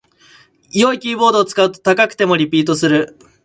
良いキーボードを使うと高くてもリピートする